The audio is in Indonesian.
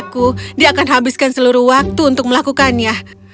aku akan menghabiskan seluruh waktu untuk melakukannya